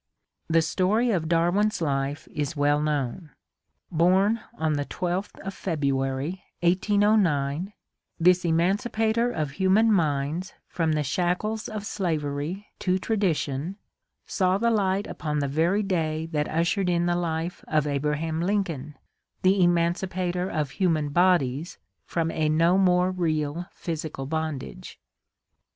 The story of Darwin's life is well known. Born on the 12 th of February, 1809, this emancipator of human minds from the shackles of slavery to tradition saw the light upon the very day that ushered in the life of Abraham Lincoln, the emancipator of human bodies from a no more real physical bondage.